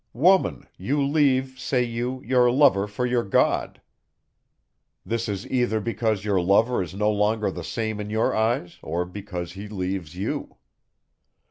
Woman! you leave, say you, your lover for your God. This is either because your lover is no longer the same in your eyes, or because he leaves you.